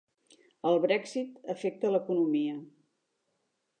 El Brexit afecta l'economia